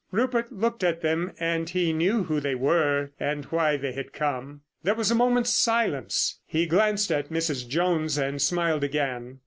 Rupert looked at them, and he knew who they were and why they had come. There was a moment's silence. He glanced at Mrs. Jones and smiled again.